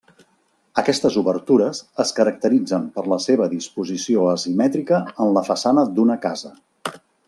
Aquestes obertures es caracteritzen per la seva disposició asimètrica en la façana d'una casa.